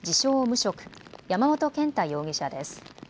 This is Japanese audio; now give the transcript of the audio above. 無職、山本健太容疑者です。